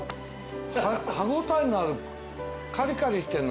歯応えのある。